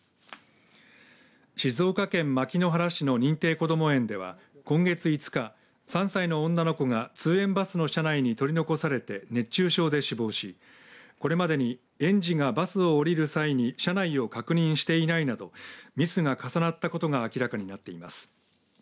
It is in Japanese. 静岡県牧之原市の認定こども園では今月５日、３歳の女の子が通園バスの車内に取り残されて熱中症で死亡しこれまでに園児がバスを降りる際に車内を確認していないなどミスが重なったことが明らかになっています。